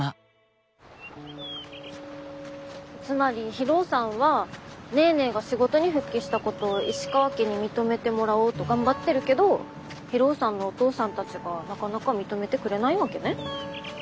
つまり博夫さんはネーネーが仕事に復帰したことを石川家に認めてもらおうと頑張ってるけど博夫さんのお父さんたちがなかなか認めてくれないわけね。